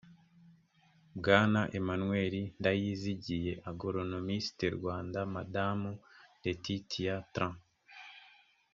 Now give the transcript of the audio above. bwana emmanuel ndayizigiye agronomist rwanda madamu laetitia tran